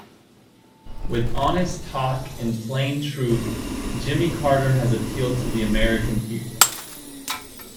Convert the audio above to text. With honest talk and plain truth, Jimmy Carter has appealed to the American people.